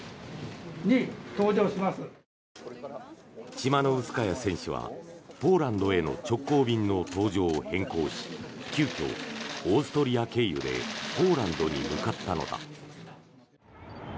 チマノウスカヤ選手はポーランドへの直行便の搭乗を変更し急きょ、オーストリア経由でポーランドに向かったのだ。